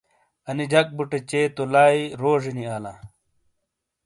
انی جک بُٹے چے تو لائی روجینی آلاں۔